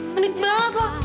menit banget loh